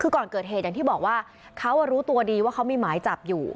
คือก่อนเกิดเหตุอย่างที่บอกว่าเขารู้ตัวดีว่าเขามีหมายจับอยู่